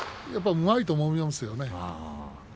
うまいと思いますね。